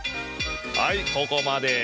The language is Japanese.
はいここまで。